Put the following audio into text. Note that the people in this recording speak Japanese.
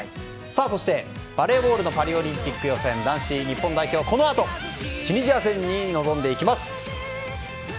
そして、バレーボールのパリオリンピック予選男子日本代表、このあとチュニジア戦に臨んでいきます。